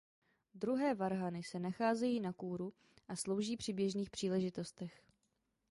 Druhé varhany se nacházejí na kůru a slouží při běžných příležitostech.